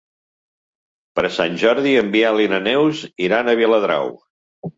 Per Sant Jordi en Biel i na Neus iran a Viladrau.